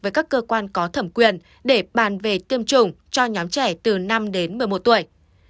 với các cơ quan có thẩm quyền để bàn về tiêm chủng cho nhóm trẻ từ năm đến một mươi một tuổi